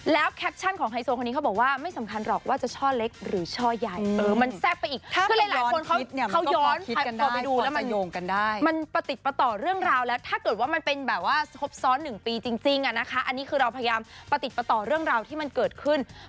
และ๘๑ใครบอกว่าไม่สำคัญหรอกว่าจะจะช่อเล็กหรือช่อใหญ่มันออกไปอีก